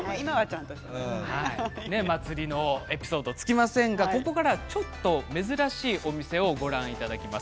祭りのエピソードが尽きませんがここからはちょっと珍しいお店をご覧いただきます。